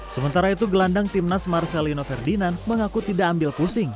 sementara itu gelandang timnas marcelino ferdinand mengaku tidak ambil pusing